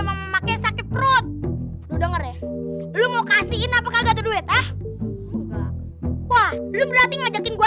memakai sakit perut udah ngeri lu mau kasihin apa kagak duit ah wah lu berarti ngajakin gua